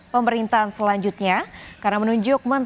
pemerintahan selanjutnya karena menunjuk